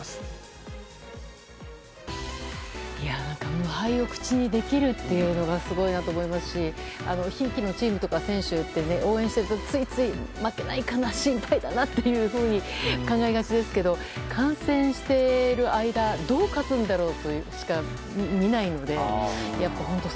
無敗を口にできるっていうのがすごいなと思いますしひいきのチームって応援していると、ついつい負けないかな、心配だなと考えがちですけど観戦している間どう勝つんだろうとしか見ないので本当